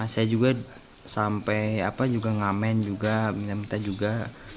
saya juga sampai juga ngamen juga minta minta juga